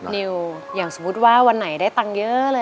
นิวอย่างสมมุติว่าวันไหนได้ตังค์เยอะเลย